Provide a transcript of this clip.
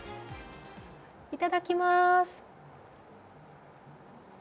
いただきます。